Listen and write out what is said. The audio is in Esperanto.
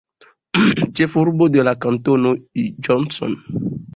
Ĉefurbo de la kantono Johnson.